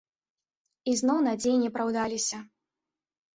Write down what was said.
І зноў надзеі не апраўдаліся.